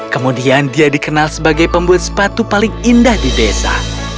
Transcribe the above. kemudian dia dikenal sebagai pembuat sepatu paling indah di desa